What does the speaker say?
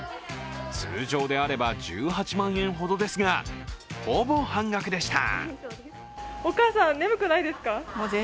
通常であれば１８万円ほどですが、ほぼ半額でした。